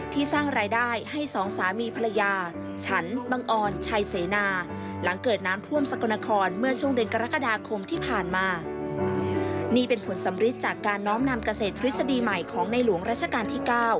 ติดตามเรื่องนี้จากรายงานค่ะ